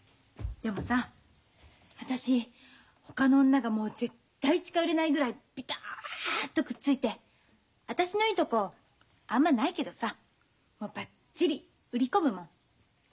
でもさ私ほかの女がもう絶対近寄れないぐらいビタッとくっついて私のいいとこあんまないけどさもうバッチリ売り込むもん。